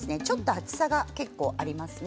厚さが結構ありますね。